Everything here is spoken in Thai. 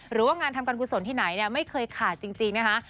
หรือว่างานทำกันคุณสนที่ไหนเนี่ยไม่เคยขาดจริงจริงนะฮะ